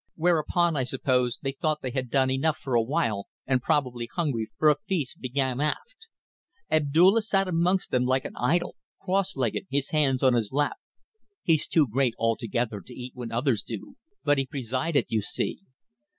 Whereupon, I suppose, they thought they had done enough for a while, and probably felt hungry, for a feast began aft. Abdulla sat amongst them like an idol, cross legged, his hands on his lap. He's too great altogether to eat when others do, but he presided, you see.